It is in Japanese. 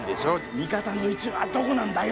味方の位置はどこなんだよ！